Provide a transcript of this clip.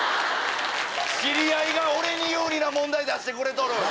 知り合いが俺に有利な問題出してくれとる。